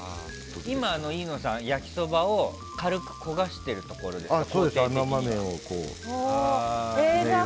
今、飯野さん、焼きそばを軽く焦がしてるところですか？